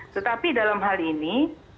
tetapi dalam hal ini